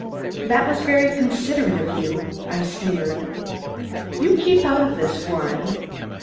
"That was very considerate of you," I sneered. "You keep out of this, Warren!"